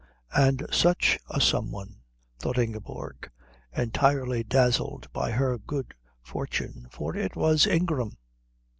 And such a some one, thought Ingeborg, entirely dazzled by her good fortune for it was Ingram.